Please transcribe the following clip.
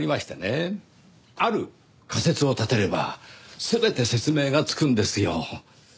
ある仮説を立てれば全て説明がつくんですよ。